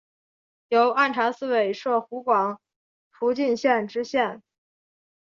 由按察司委摄湖广蒲圻县知县。